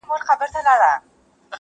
له کلونو له عمرونو یې روزلی-